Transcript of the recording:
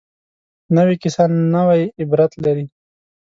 نوې کیسه نوې عبرت لري